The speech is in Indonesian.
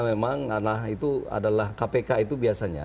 memang itu adalah kpk itu biasanya